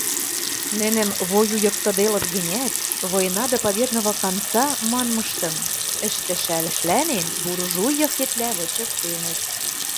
Нӹнӹм воюйыктыделыт гӹнят, «война до победного конца» манмыштым ӹштӹшӓшлӓнен, буржуй йыхетвлӓ вычыктенӹт.